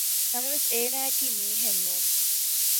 ނަމަވެސް އޭނާއަކީ މީހެއް ނޫން